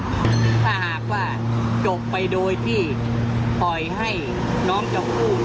ถ้าหากว่าจบไปโดยที่ปล่อยให้น้องชมพู่